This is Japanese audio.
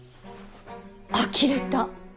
あきれた。